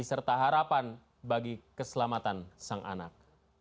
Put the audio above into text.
serta harapan bagi keselamatan sang anak